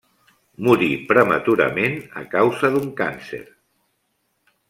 Morí prematurament a causa d'un càncer.